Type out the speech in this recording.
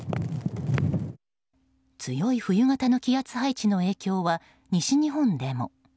強い冬型の気圧配置の影響は西日本でも。